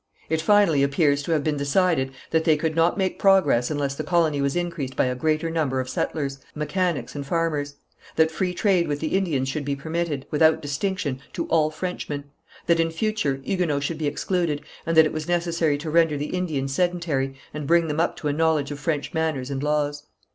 It finally appears to have been decided that they could not make progress unless the colony was increased by a greater number of settlers, mechanics and farmers; that free trade with the Indians should be permitted, without distinction, to all Frenchmen; that in future Huguenots should be excluded, and that it was necessary to render the Indians sedentary, and bring them up to a knowledge of French manners and laws.